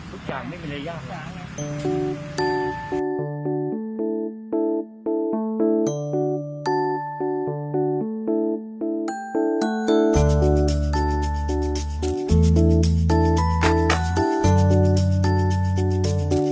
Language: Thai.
ก็ถามว่าเกิดใจที่จะรับสิ่งอยู่